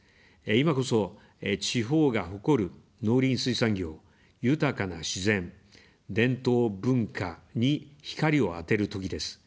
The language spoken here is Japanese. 今こそ、地方が誇る農林水産業、豊かな自然、伝統・文化に光を当てるときです。